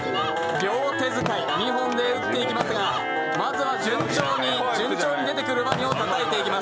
両手使い２本で打っていきますがまずは順調にワニをたたいていきます。